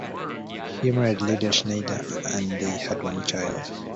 He married Leadell Schneider and they had one child.